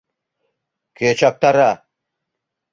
Кӧ чактара?